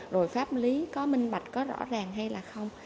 rồi pháp lý có minh bạch có rõ ràng hay là không